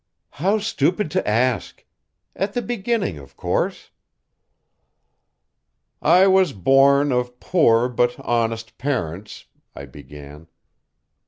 "How stupid to ask! At the beginning, of course." "I was born of poor but honest parents" I began.